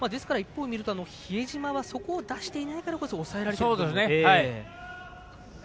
ですから、一方見ると比江島はそこを出してないから抑えられていると。